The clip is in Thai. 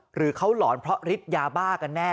หรือเขาหลอนเพราะฤทธิ์ยาบ้ากันแน่